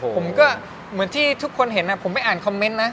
ผมก็เหมือนที่ทุกคนเห็นผมไปอ่านคอมเมนต์นะ